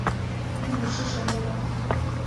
你是什么人